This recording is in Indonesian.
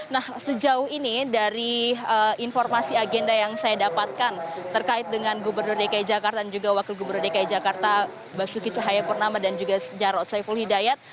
nah sejauh ini dari informasi agenda yang saya dapatkan terkait dengan gubernur dki jakarta dan juga wakil gubernur dki jakarta basuki cahayapurnama dan juga jarod saiful hidayat